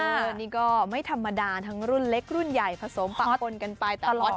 อันนี้ก็ไม่ธรรมดาทั้งรุ่นเล็กรุ่นใหญ่ผสมปรับปนกันไป